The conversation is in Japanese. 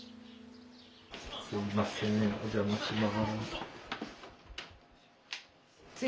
すいませんお邪魔します。